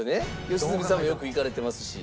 良純さんもよく行かれてますし。